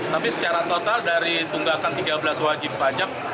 tapi secara total dari tunggakan tiga belas wajib pajak